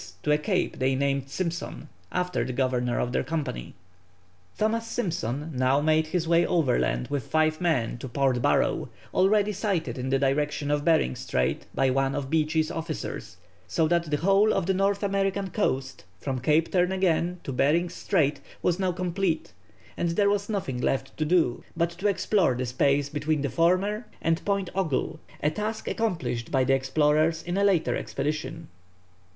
to a cape they named Simpson, after the governor of their company. Thomas Simpson now made his way overland with five men to Port Barrow, already sighted in the direction of Behring Strait by one of Beechey's officers, so that the whole of the North American coast from Cape Turn again to Behring's Strait was now complete, and there was nothing left to do but to explore the space between the former and Point Ogle, a task accomplished by the explorers in a later expedition.